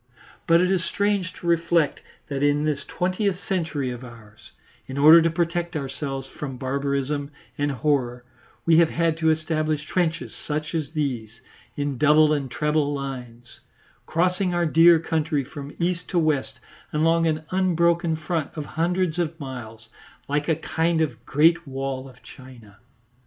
But it is strange to reflect that in this twentieth century of ours, in order to protect ourselves from barbarism and horror, we have had to establish trenches such as these, in double and treble lines, crossing our dear country from east to west along an unbroken front of hundreds of miles, like a kind of Great Wall of China.